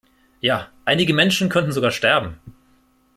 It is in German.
Ja, einige Menschen könnten sogar sterben.